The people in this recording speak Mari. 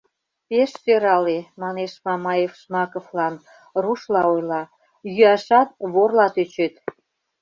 — Пеш сӧрале, — манеш Мамаев Жмаковлан, рушла ойла, — йӱашат ворла тӧчет...